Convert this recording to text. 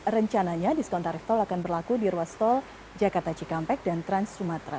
rencananya diskon tarif tol akan berlaku di ruas tol jakarta cikampek dan trans sumatera